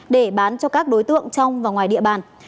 để bán cho các đối tượng trong và ngoài địa bàn